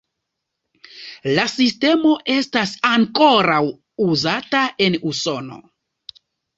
La sistemo estas ankoraŭ uzata en Usono.